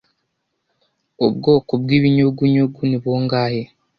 ubwoko bwibinyugunyugu ni bungahe